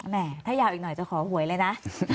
แม่ถ้ายาวอีกหน่อยจะขอหวยเลยนะ